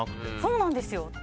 そうなんですよ。